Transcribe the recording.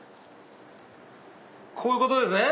こういうことですね！